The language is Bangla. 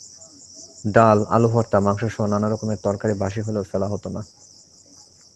ডাল, আলু ভর্তা, মাংসসহ নানা রকমের তরকারি বাসি হলেও ফেলা হতো না।